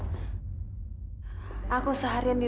jangan keseluruhan wy